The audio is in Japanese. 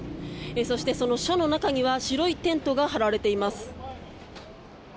そして、その署の中には白いテントが張られています。